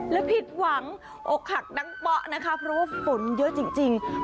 และผิดหวังหนังป๋อตเพราะฝนเยอะจริง